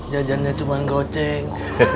jadinya cuma goceng